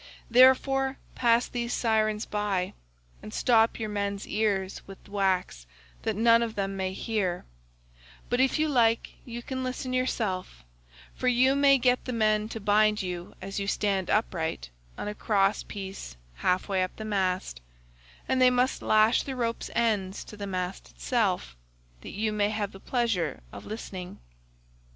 Therefore pass these Sirens by, and stop your men's ears with wax that none of them may hear; but if you like you can listen yourself, for you may get the men to bind you as you stand upright on a cross piece half way up the mast,99 and they must lash the rope's ends to the mast itself, that you may have the pleasure of listening.